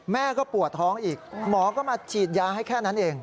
แม่ก็ปวดท้องอีกหมอก็มาฉีดยาให้แค่นั้นเอง